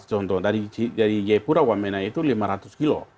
contoh dari yepurawamena itu lima ratus kilo